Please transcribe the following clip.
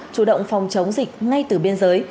chủ động phòng chống dịch ngay từ biên giới